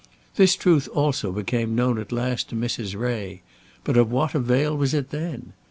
This truth also became known at last to Mrs. Ray, but of what avail was it then?